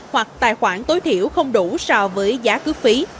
hoặc tài khoản tối thiểu không đủ so với giá cước phí